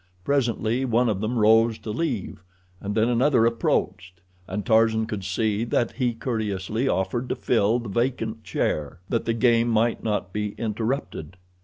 Presently one of them rose to leave, and then another approached, and Tarzan could see that he courteously offered to fill the vacant chair, that the game might not be interrupted.